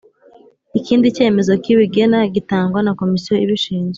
ikindi cyemezo kibigena gitangwa na komisiyo ibishinzwe